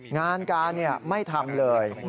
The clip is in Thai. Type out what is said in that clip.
งานการไม่ทำเลย